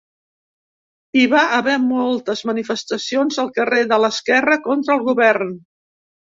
Hi va haver moltes manifestacions al carrer de l'esquerra contra el govern.